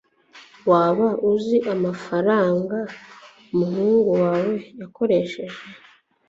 waba uzi amafaranga umuhungu wawe yakoresheje